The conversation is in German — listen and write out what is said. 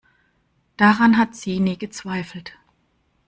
Daran hat sie nie gezweifelt.